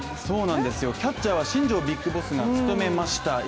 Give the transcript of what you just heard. そうなんですよ、キャッチャーは新庄ＢＩＧＢＯＳＳが務めました。